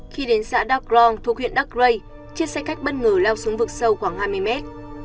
khi đến xã dark long thuộc huyện darkray chiếc xe khách bất ngờ leo xuống vực sâu khoảng hai mươi mét